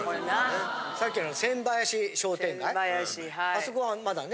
あそこはまだね。